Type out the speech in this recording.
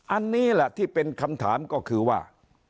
อันนี้แหละที่เป็นคำถามก็คือว่า